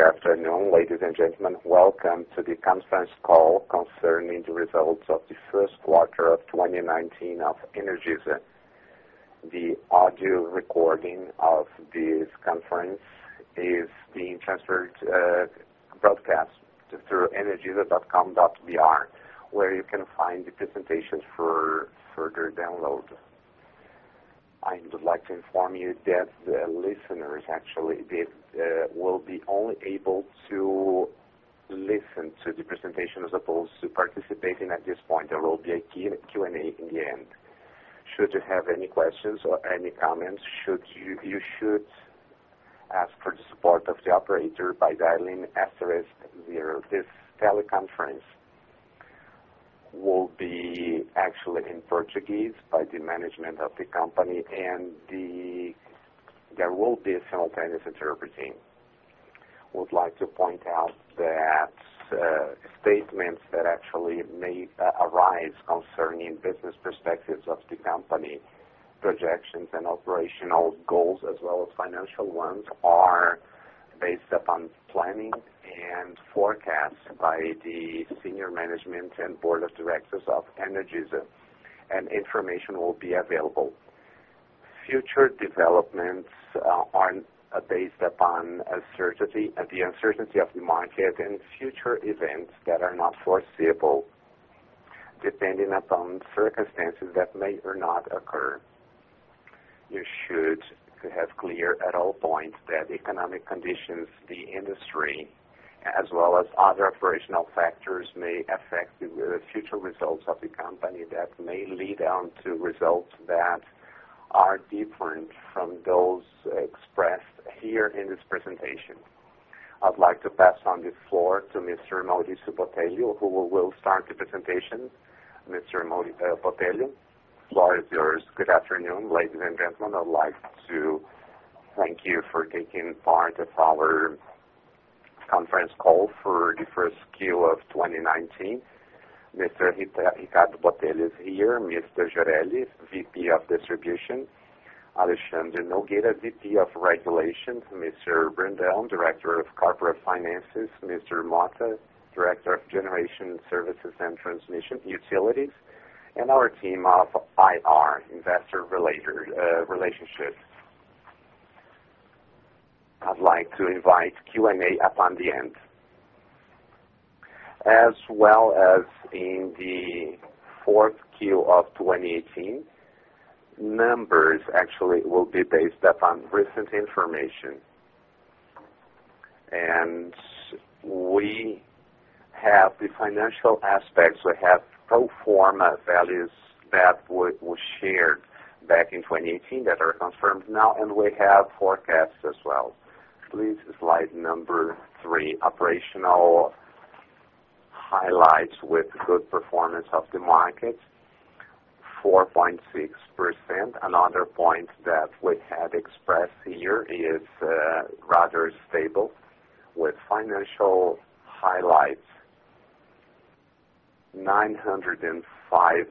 Good afternoon, ladies and gentlemen. Welcome to the conference call concerning the results of the first quarter of 2019 of Energisa. The audio recording of this conference is being broadcast through energisa.com.br, where you can find the presentations for further download. I would like to inform you that the listeners actually will be only able to listen to the presentation as opposed to participating at this point. There will be a Q&A in the end. Should you have any questions or any comments, you should ask for the support of the operator by dialing asterisk zero. This teleconference will be actually in Portuguese by the management of the company, and there will be simultaneous interpreting. would like to point out that statements that actually may arise concerning business perspectives of the company, projections and operational goals as well as financial ones, are based upon planning and forecasts by the senior management and board of directors of Energisa, and information will be available. Future developments are based upon the uncertainty of the market and future events that are not foreseeable, depending upon circumstances that may or not occur. You should have clear at all points that economic conditions, the industry, as well as other operational factors may affect the future results of the company that may lead on to results that are different from those expressed here in this presentation. I'd like to pass on the floor to Mr. Maurício Botrel, who will start the presentation. Mr.Maurício Botrel, the floor is yours. Good afternoon, ladies and gentlemen. I'd like to thank you for taking part of our conference call for the first Q of 2019. Mr. Ricardo Botelho is here, Mr. Gioreli, VP of Distribution, Alexandre Nogueira, VP of Regulations, Mr. Brendel, Director of Corporate Finances, Mr. Mota, Director of Generation Services and Transmission Utilities, and our team of IR investor relationships. I would like to invite Q&A upon the end. As well as in the fourth Q of 2018, numbers actually will be based upon recent information. We have the financial aspects. We have pro forma values that were shared back in 2018 that are confirmed now, and we have forecasts as well. Please, slide number three, operational highlights with good performance of the market, 4.6%. Another point that we have expressed here is rather stable with financial highlights 905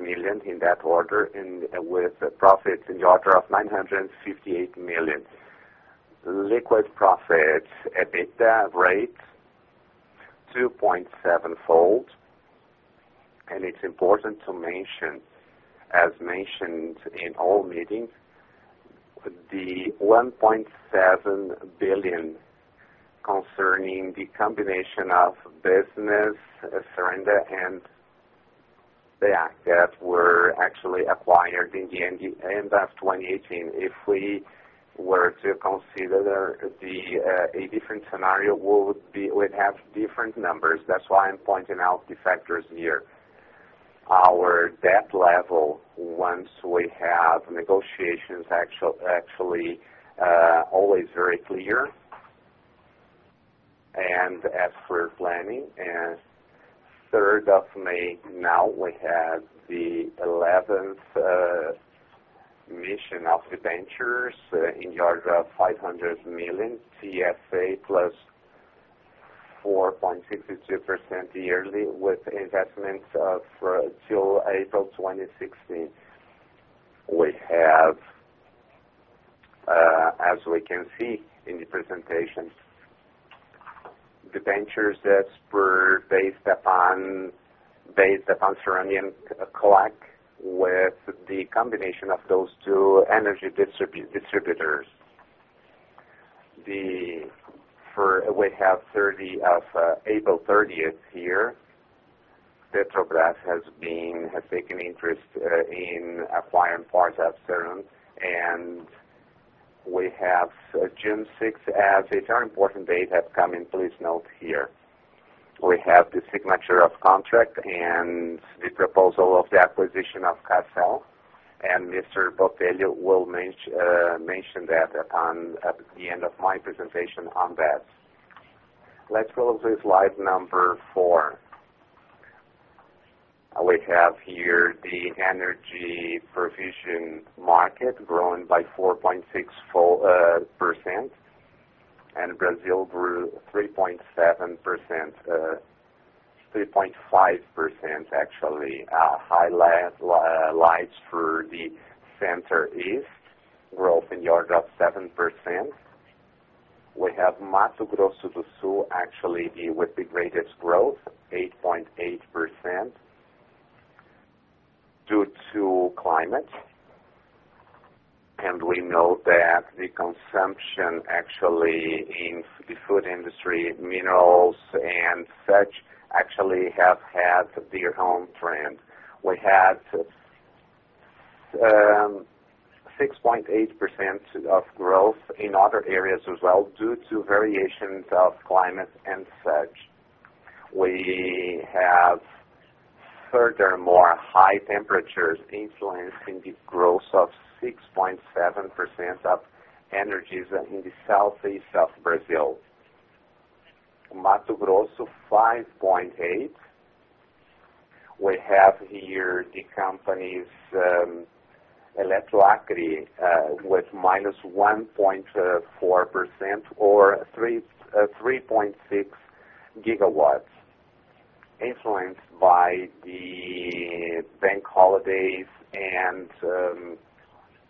million in that order and with profits in the order of 958 million. Liquid profits, EBITDA rate, 2.7x, it's important to mention, as mentioned in all meetings, the 1.7 billion concerning the combination of business, Ceron and the assets were actually acquired in the end of 2018. If we were to consider a different scenario, we'd have different numbers. That's why I'm pointing out the factors here. Our debt level, once we have negotiations actually always very clear, and as per planning. 3rd of May, now we have the 11th emission of debentures in the order of 500 million TSA plus 4.62% yearly with investments until April 2016. We have, as we can see in the presentation, debentures that were based upon Ceron collect with the combination of those two energy distributors. We have April 30th here. Petrobras has taken interest in acquiring Farsa Ceron, and we have June 6th as a very important date that's coming, please note here. We have the signature of contract and the proposal of the acquisition of Castel. Mr. Botelho will mention that at the end of my presentation on that. Let's go to slide number four. We have here the energy provision market growing by 4.6%. Brazil grew 3.7%, 3.5%, actually. Highlights for the Center-East. Growth in the order of 7%. We have Energisa Mato Grosso do Sul actually with the greatest growth, 8.8%, due to climate. We know that the consumption actually in the food industry, minerals, and such, actually have had their own trend. We had 6.8% of growth in other areas as well due to variations of climate and such. We have furthermore high temperatures influencing the growth of 6.7% of Energisa in the Southeast of Brazil. Energisa Mato Grosso, 5.8%. We have here the companies, Eletroacre, with -1.4% or 3.6 GW, influenced by the bank holidays and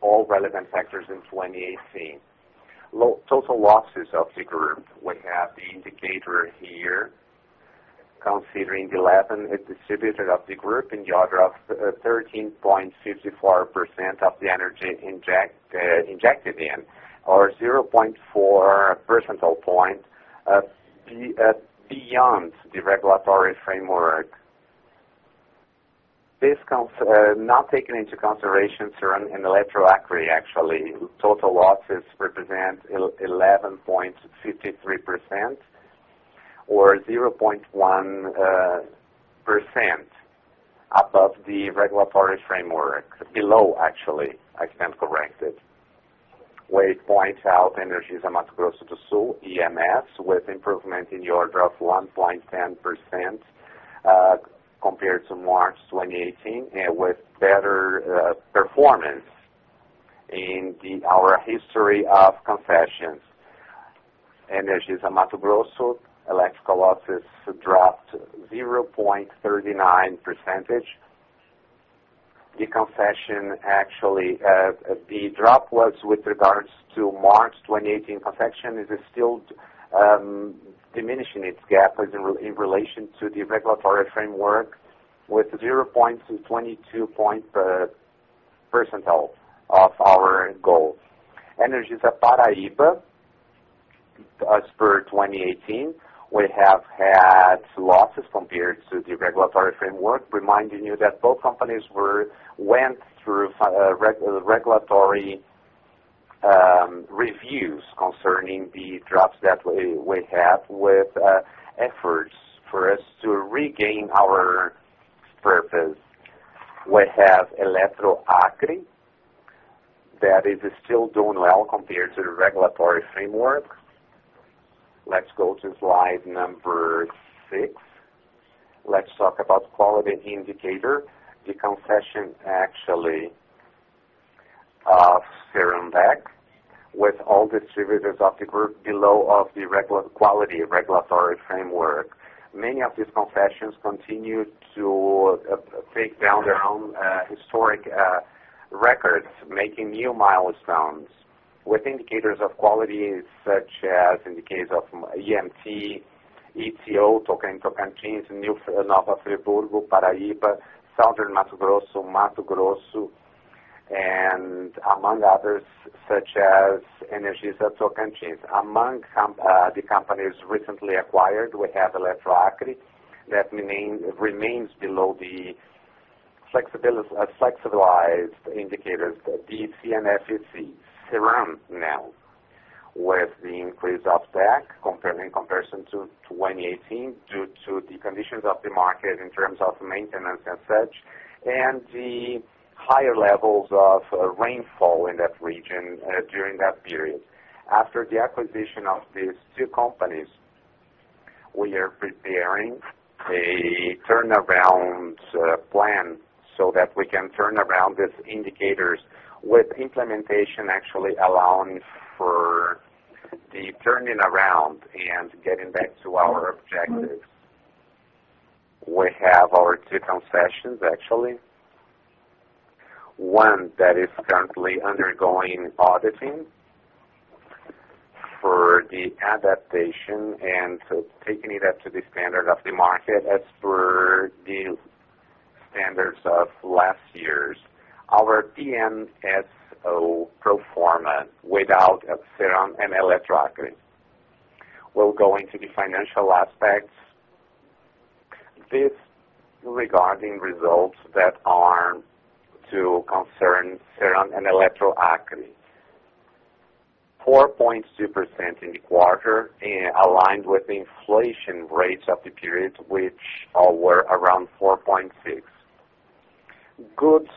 all relevant factors in 2018. Total losses of the group. We have the indicator here. Considering the 11 distributors of the group in the order of 13.54% of the energy injected in, or 0.4 percentage point beyond the regulatory framework. Not taken into consideration, Ceron and Eletroacre actually. Total losses represent 11.53% or 0.1% above the regulatory framework. Below, actually, I stand corrected. We point out Energisa Mato Grosso do Sul, EMS, with improvement in the order of 1.10% compared to March 2018, and with better performance in our history of concessions. Energisa Mato Grosso electrical losses dropped 0.39 percentage point. The drop was with regards to March 2018 concession. It is still diminishing its gap in relation to the regulatory framework, with 0.22 percentage point of our goals. Energisa Paraíba, as per 2018, we have had losses compared to the regulatory framework, reminding you that both companies went through regulatory reviews concerning the drops that we have with efforts for us to regain our purpose. We have Eletroacre that is still doing well compared to the regulatory framework. Let's go to slide number six. Let's talk about quality indicator. The concession actually of Ceron with all distributors of the group below of the quality regulatory framework. Many of these concessions continue to take down their own historic records, making new milestones with indicators of quality, such as in the case of EMC, ECO, Energisa Tocantins, Nova Friburgo, Energisa Paraíba, Energisa Mato Grosso do Sul, Energisa Mato Grosso, and among others such as Energisa Tocantins. Among the companies recently acquired, we have Eletroacre that remains below the flexibilized indicators, the CNCC. Ceron now, with the increase of back in comparison to 2018 due to the conditions of the market in terms of maintenance and such, and the higher levels of rainfall in that region during that period. After the acquisition of these two companies, we are preparing a turnaround plan so that we can turn around these indicators with implementation actually allowing for the turning around and getting back to our objectives. We have our two concessions, actually. One that is currently undergoing auditing for the adaptation and taking it up to the standard of the market as per the standards of last year's. Our PMSO performance without Ceron and Eletroacre. We'll go into the financial aspects. This regarding results that are to concern Ceron and Eletroacre. 4.2% in the quarter, aligned with the inflation rates of the period, which were around 4.6%. Good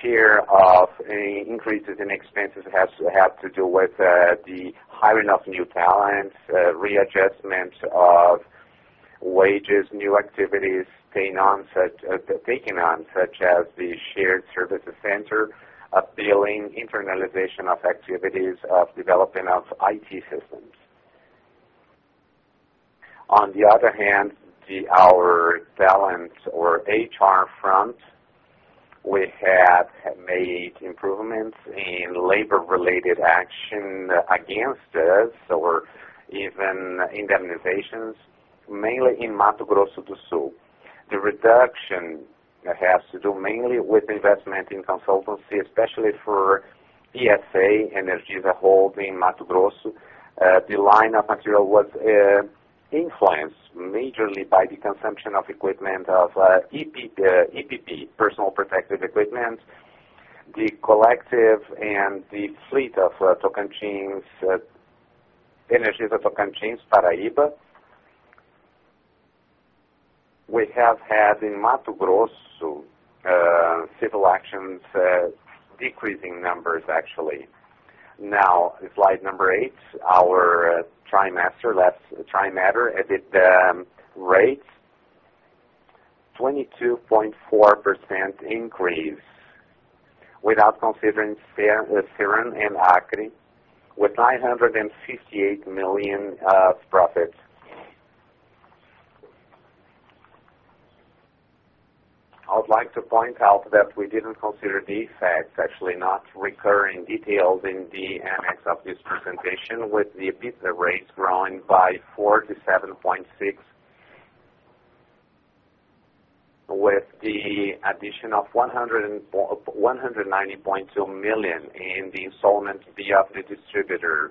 share of increases in expenses have to do with the hiring of new talents, readjustment of wages, new activities taken on, such as the shared services center, up-billing, internalization of activities of development of IT systems. On the other hand, our balance or HR front, we have made improvements in labor-related action against us, or even indemnifications, mainly in Energisa Mato Grosso do Sul. The reduction has to do mainly with investment in consultancy, especially for Energisa Holding, Energisa Mato Grosso. The line of material was influenced majorly by the consumption of equipment of EPI, personal protective equipment, the collective and the fleet of Energisa Tocantins, Energisa Paraíba. We have had in Energisa Mato Grosso civil actions decreasing numbers, actually. Now, slide eight, our trimester, last trimester, EBITDA rates, 22.4% increase without considering Eletroacre, with BRL 968 million of profit. I would like to point out that we didn't consider the effects, actually not recurring details in the annex of this presentation with the EBITDA rates growing by 4% to 7.6%. With the addition of 190.2 million in the installment fee of the distributor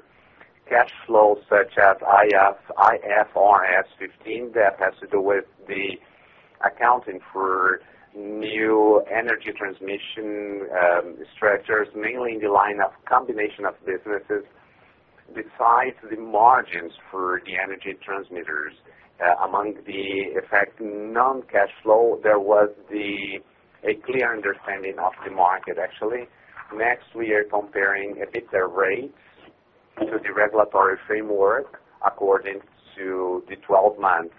cash flow, such as IFRS 15, that has to do with the accounting for new energy transmission structures, mainly in the line of combination of businesses. Besides the margins for the energy transmitters, among the effect non-cash flow, there was a clear understanding of the market, actually. Next, we are comparing EBITDA rates to the regulatory framework according to the 12 months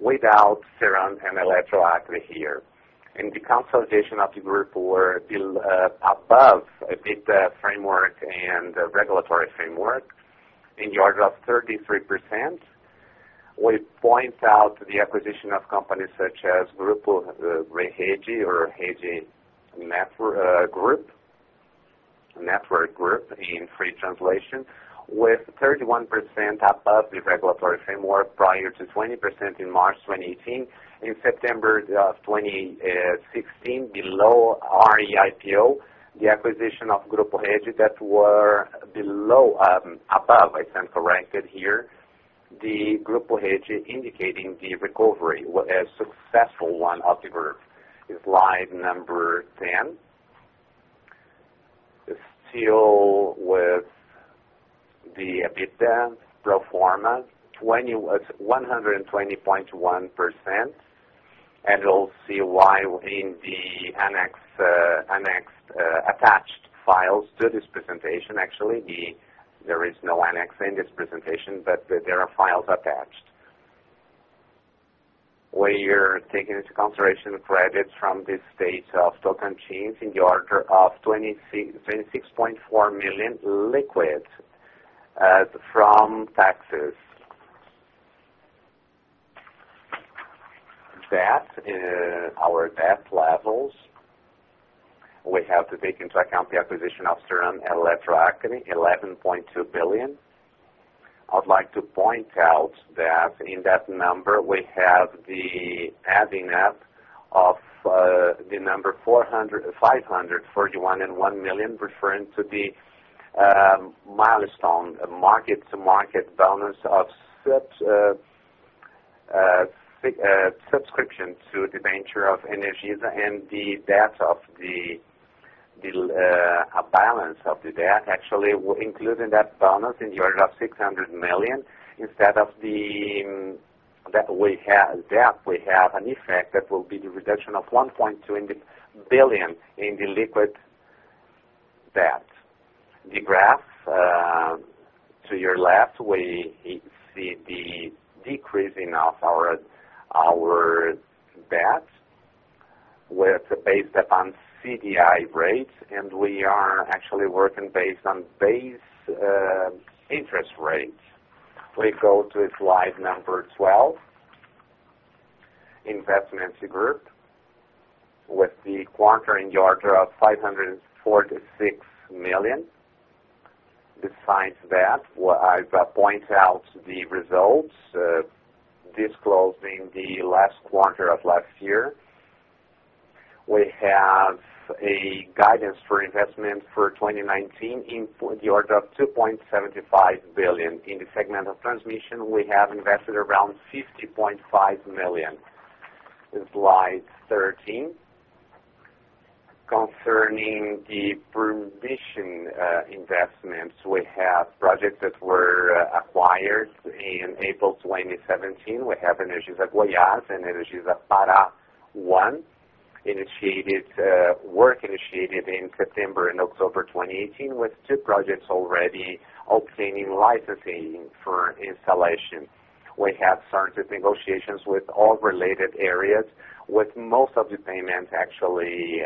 without Eletroacre here. The consolidation of the group were above EBITDA framework and regulatory framework in the order of 33%. We point out the acquisition of companies such as Grupo Rede or Rede Network Group, in free translation, with 31% above the regulatory framework, prior to 20% in March 2018. In September 2016, below our IPO, the acquisition of Grupo Rede that were above. I said for ranked here. The Grupo Rede indicating the recovery, a successful one of the group. Slide 10. Still with the EBITDA pro forma, 120.1%. You'll see why in the attached files to this presentation, actually. There is no annex in this presentation, but there are files attached. We are taking into consideration credits from the state of Tocantins in the order of 26.4 million liquid from taxes. Our debt levels, we have to take into account the acquisition of Eletroacre, 11.2 billion. I would like to point out that in that number, we have the adding up of the number 541.1 million, referring to the milestone market-to-market bonus of subscription to the venture of Energisa and the debt of the balance of the debt, actually, including that bonus in the order of 600 million. Instead of the debt, we have an effect that will be the reduction of 1.2 billion in the liquid debt. The graph to your left, we see the decreasing of our debt with based upon CDI rates, and we are actually working based on base interest rates. We go to slide 12. Investments group with the quarter in the order of 546 million. Besides that, I point out the results disclosing the last quarter of last year. We have a guidance for investment for 2019 in the order of 2.75 billion. In the segment of transmission, we have invested around 50.5 million. Slide 13. Concerning the permission investments, we have projects that were acquired in April 2017. We have Energisa Goiás and Energisa Pará one, work initiated in September and October 2018, with two projects already obtaining licensing for installation. We have started negotiations with all related areas, with most of the payment actually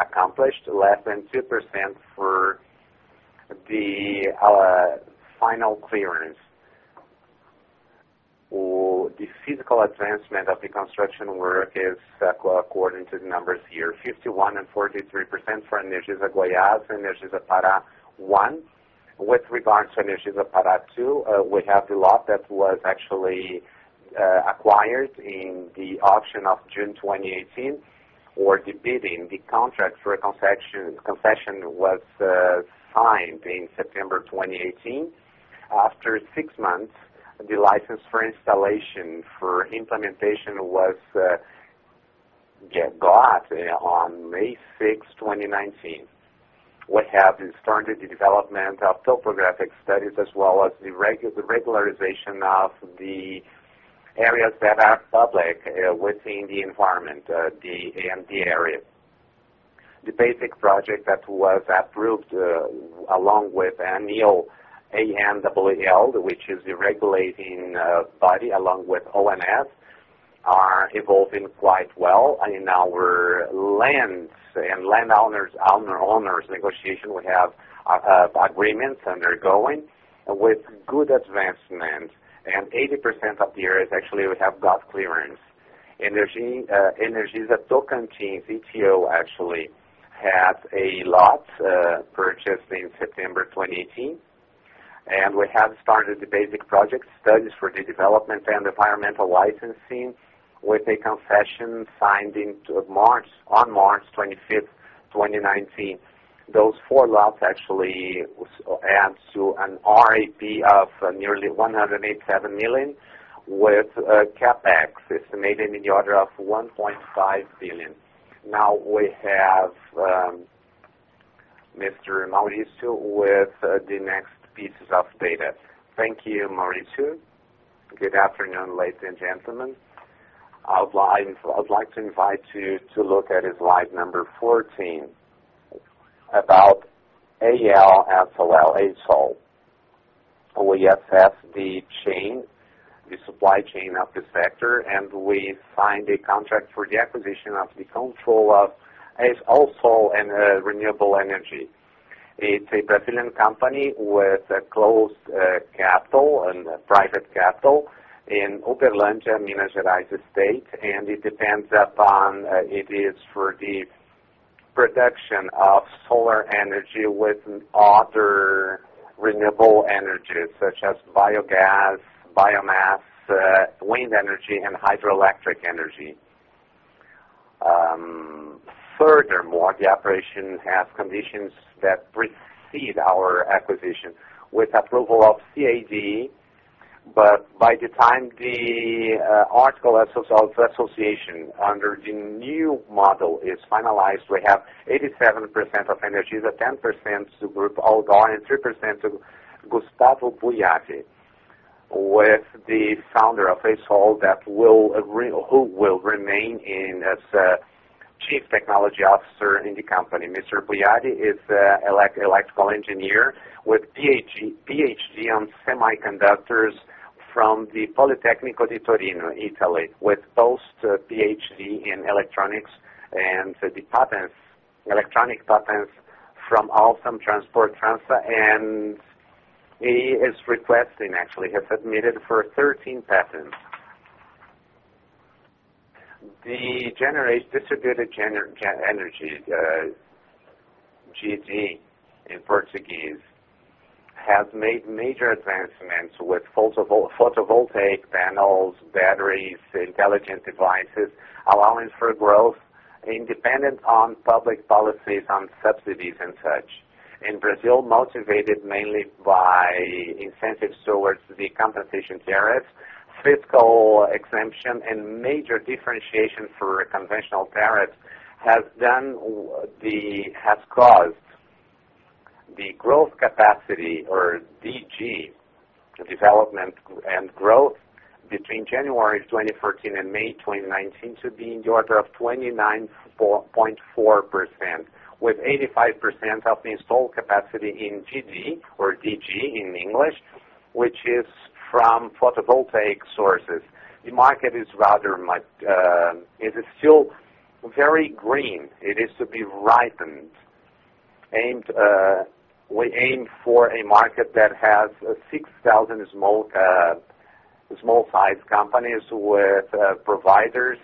accomplished, less than 2% for the final clearance. The physical advancement of the construction work is according to the numbers here, 51% and 43% for Energisa Goiás and Energisa Pará one. With regards to Energisa Pará two, we have the lot that was actually acquired in the auction of June 2018 for the bidding. The contract for concession was signed in September 2018. After six months, the license for installation for implementation was got on May 6, 2019. We have started the development of topographic studies as well as the regularization of the areas that are public within the environment, the AMD area. The basic project that was approved, along with ANEEL, A-N-E-E-L, which is the regulating body along with ONS, are evolving quite well in our lands and landowners negotiation. We have agreements undergoing with good advancement, and 80% of the areas actually have got clearance. Energisa Tocantins, ETO actually, had a lot purchased in September 2018, and we have started the basic project studies for the development and environmental licensing with a concession signed on March 25, 2019. Those four lots actually add to an RAP of nearly 187 million, with CapEx estimated in the order of 1.5 billion. Now we have Mr. Maurício with the next pieces of data. Thank you, Maurício. Good afternoon, ladies and gentlemen. I would like to invite you to look at slide number 14 about Alsol. We assess the supply chain of the sector, and we signed a contract for the acquisition of the control of Alsol and renewable energy. It's a Brazilian company with a closed capital and private capital in Uberlândia, Minas Gerais state, and it is for the production of solar energy with other renewable energies such as biogas, biomass, wind energy, and hydroelectric energy. Furthermore, the operation has conditions that precede our acquisition with approval of CADE. By the time the article of association under the new model is finalized, we have 87% of Energisa, 10% to Algar Group, 3% to Gustavo Buiatti, with the founder of Alsol, who will remain as Chief Technology Officer in the company. Mr. Buiatti is electrical engineer with PhD on semiconductors from the Politecnico di Torino, Italy, with post PhD in electronics and the electronic patents from Alstom Transport France. He is requesting actually, has submitted for 13 patents. The distributed energy, DE in Portuguese, has made major advancements with photovoltaic panels, batteries, intelligent devices, allowing for growth independent on public policies, on subsidies and such. In Brazil, motivated mainly by incentives towards the compensation tariffs, fiscal exemption, and major differentiation for conventional tariffs has caused the growth capacity or DG, the development and growth between January 2014 and May 2019 to be in the order of 29.4%, with 85% of the installed capacity in DG, or DG in English, which is from photovoltaic sources. The market is still very green. It is to be ripened. We aim for a market that has 6,000 small-sized companies with providers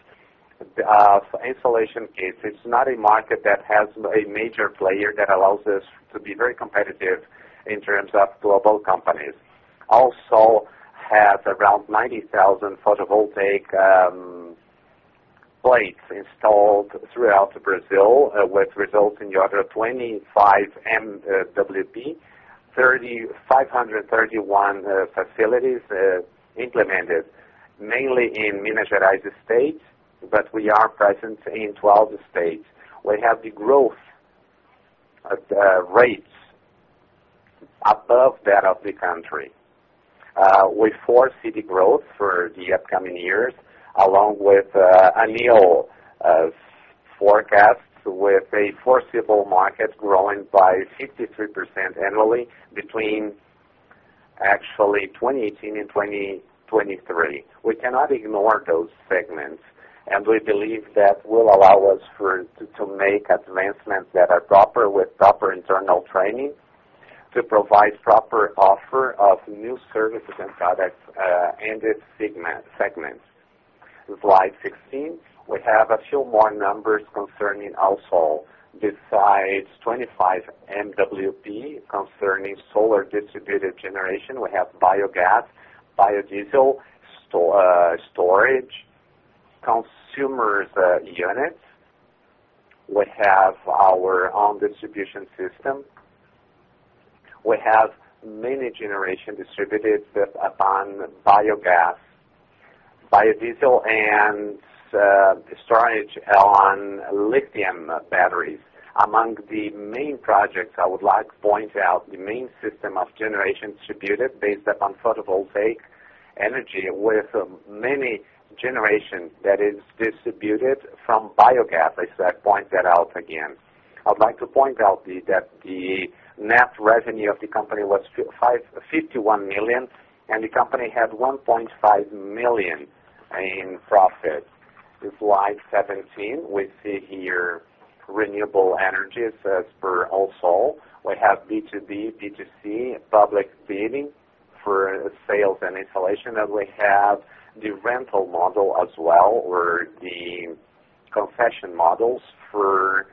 of installation kits. It's not a market that has a major player that allows us to be very competitive in terms of global companies. Alsol has around 90,000 photovoltaic plates installed throughout Brazil, which results in the order of 25 MWp, 531 facilities implemented mainly in Minas Gerais state, but we are present in 12 states. We have the growth rates above that of the country. We foresee the growth for the upcoming years, along with ANEEL's forecast, with a foreseeable market growing by 53% annually between 2018 and 2023. We cannot ignore those segments, and we believe that will allow us to make advancements that are proper with proper internal training to provide proper offer of new services and products in these segments. Slide 16. We have a few more numbers concerning Alsol besides 25 MWp concerning solar distributed generation. We have biogas, biodiesel storage, consumer units. We have our own distribution system. We have mini generation distributed based upon biogas, biodiesel, and storage on lithium batteries. Among the main projects, I would like to point out the main system of generation distributed based upon photovoltaic energy with mini generation that is distributed from biogas. As I point that out again, I would like to point out that the net revenue of the company was 51 million, and the company had 1.5 million in profit. Slide 17. We see here renewable energies as per Alsol. We have B2B, B2C, public bidding for sales and installation, and we have the rental model as well, or the concession models for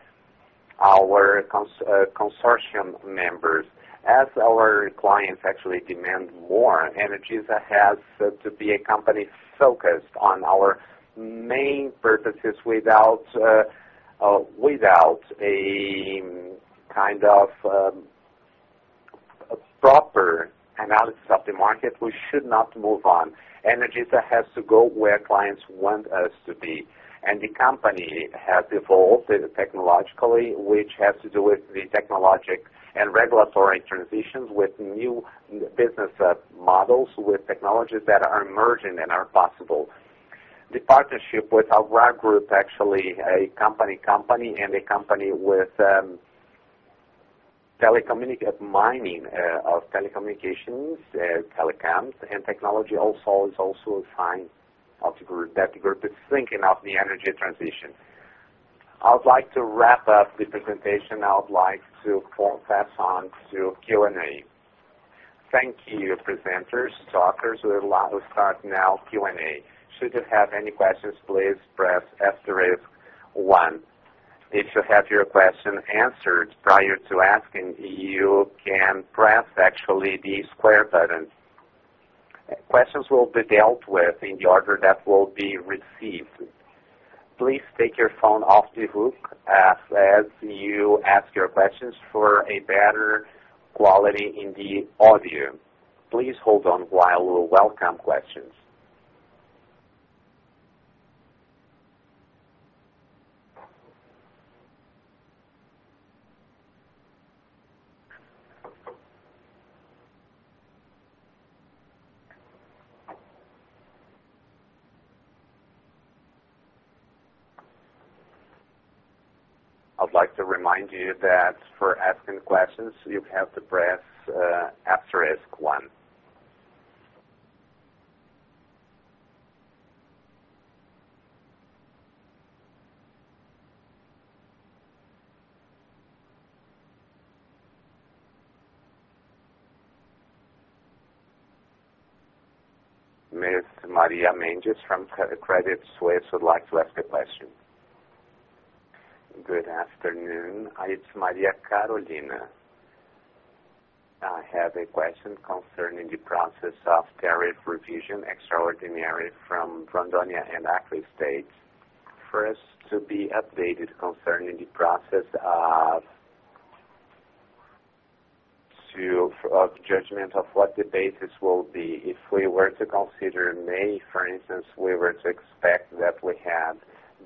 our consortium members. As our clients actually demand more, Energisa has to be a company focused on our main purposes without a kind of proper analysis of the market. We should not move on. Energisa has to go where clients want us to be. The company has evolved technologically, which has to do with the technologic and regulatory transitions with new business models, with technologies that are emerging and are possible. The partnership with Abraaj Group, actually a company, and a company with mining of telecommunications, Telecoms, and technology also is also a sign that the group is thinking of the energy transition. I would like to wrap up the presentation. I would like to pass on to Q&A. Thank you, presenters, talkers. We will now start now Q&A. Should you have any questions, please press asterisk one. If you have your question answered prior to asking, you can press actually the square button. Questions will be dealt with in the order that will be received. Please take your phone off the hook as you ask your questions for a better quality in the audio. Please hold on while we welcome questions. I'd like to remind you that for asking questions, you have to press asterisk one. Ms. Maria Mendes from Credit Suisse would like to ask a question. Good afternoon. It's Maria Carolina. I have a question concerning the process of tariff revision extraordinary from Rondônia and Acre states. First, to be updated concerning the process of judgment of what the basis will be. If we were to consider May, for instance, we were to expect that we had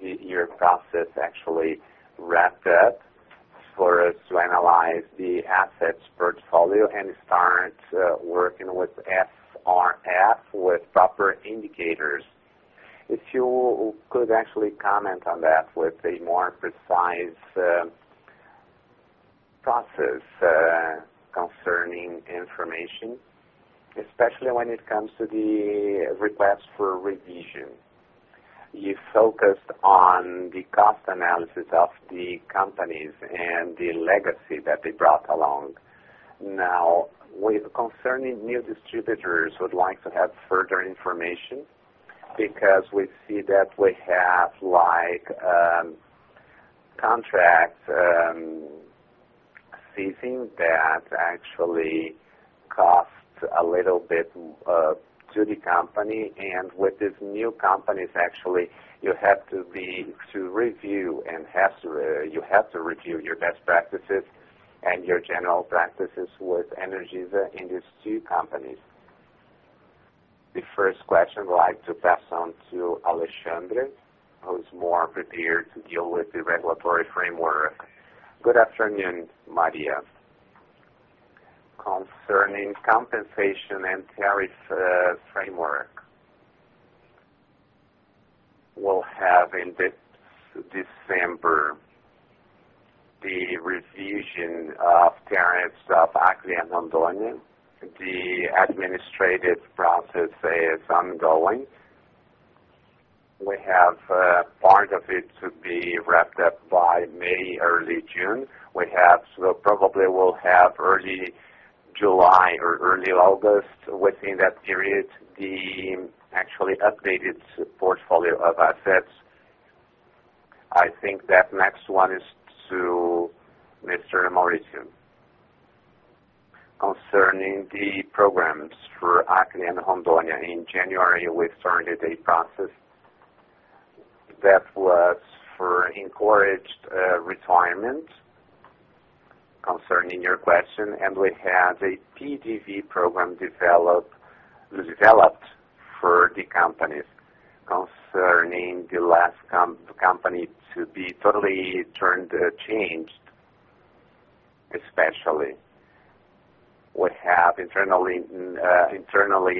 the year process actually wrapped up for us to analyze the assets portfolio and start working with SRF with proper indicators. If you could actually comment on that with a more precise process concerning information, especially when it comes to the request for revision. You focused on the cost analysis of the companies and the legacy that they brought along. Now, concerning new distributors, I would like to have further information because we see that we have contract ceasing that actually cost a little bit to the company. With these new companies, actually, you have to review your best practices and your general practices with Energisa in these two companies. The first question, I would like to pass on to Alexandre, who's more prepared to deal with the regulatory framework. Good afternoon, Maria. Concerning compensation and tariff framework. We'll have in December the revision of tariffs of Acre and Rondônia. The administrative process is ongoing. We have a part of it to be wrapped up by May, early June. Probably will have early July or early August, within that period, the actually updated portfolio of assets. I think that next one is to Mr. Maurício. Concerning the programs for Acre and Rondônia, in January, we started a process that was for encouraged retirement, concerning your question, and we had a PDV program developed for the companies, concerning the last company to be totally changed, especially. We have internally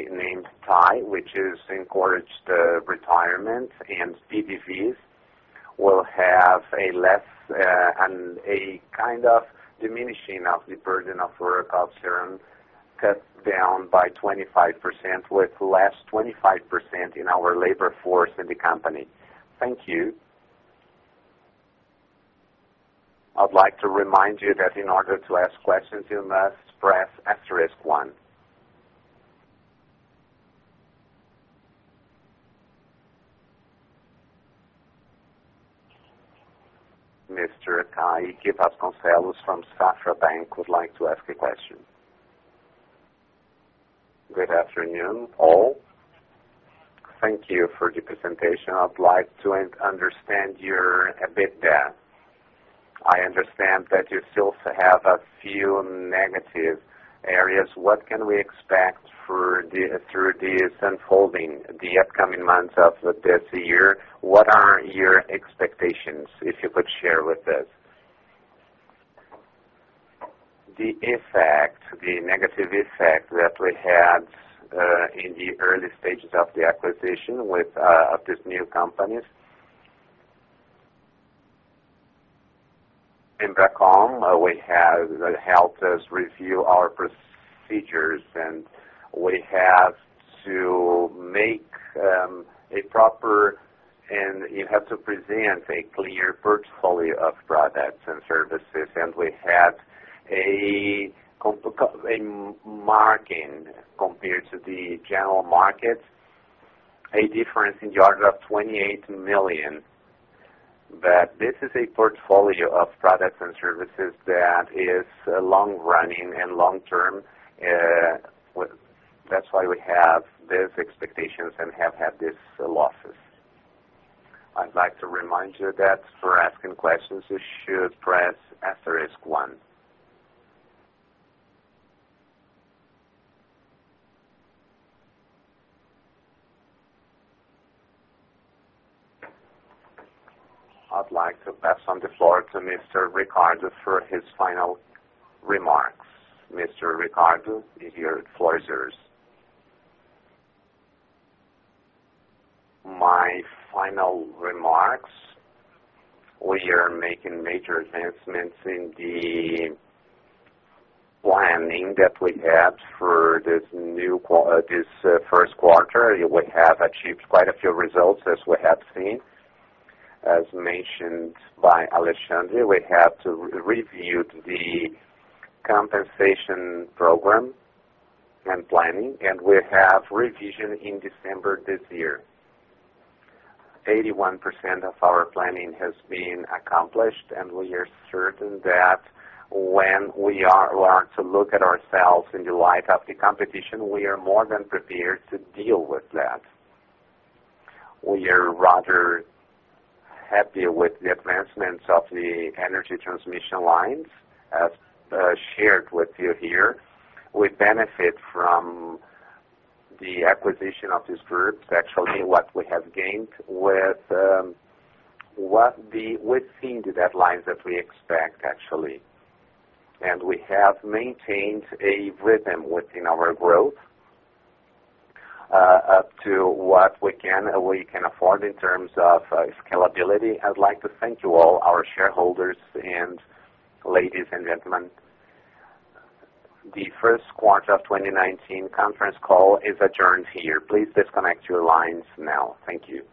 named TIE, which is encouraged retirement, and PDVs will have diminishing of the burden of work observed, cut down by 25% with less 25% in our labor force in the company. Thank you. I'd like to remind you that in order to ask questions, you must press asterisk one. Mr. Kaique Vasconcelos from Safra Bank would like to ask a question. Good afternoon, all. Thank you for the presentation. I'd like to understand your EBITDA. I understand that you still have a few negative areas. What can we expect through this unfolding, the upcoming months of this year? What are your expectations, if you could share with us? The negative effect that we had in the early stages of the acquisition with these new companies. In Bracom, we have helped us review our procedures, and you have to present a clear portfolio of products and services, and we have a marking compared to the general market, a difference in the order of 28 million. This is a portfolio of products and services that is long-running and long-term. That's why we have these expectations and have had these losses. I'd like to remind you that for asking questions, you should press asterisk one. I'd like to pass on the floor to Mr. Ricardo for his final remarks. Mr. Ricardo, the floor is yours. My final remarks. We are making major advancements in the planning that we had for this first quarter. We have achieved quite a few results, as we have seen. As mentioned by Alexandre, we have reviewed the compensation program and planning, and we have revision in December this year. 81% of our planning has been accomplished, and we are certain that when we are to look at ourselves in the light of the competition, we are more than prepared to deal with that. We are rather happy with the advancements of the energy transmission lines, as shared with you here. We benefit from the acquisition of these groups, actually what we have gained within the deadlines that we expect. We have maintained a rhythm within our growth up to what we can afford in terms of scalability. I'd like to thank you all, our shareholders, and ladies and gentlemen. The first quarter of 2019 conference call is adjourned here. Please disconnect your lines now. Thank you.